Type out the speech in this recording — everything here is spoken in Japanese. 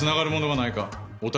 はい。